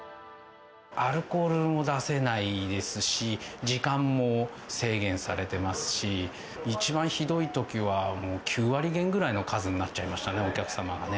アルコールも出せないですし、時間も制限されてますし、一番ひどいときは、もう９割減ぐらいの数になっちゃいましたね、お客様がね。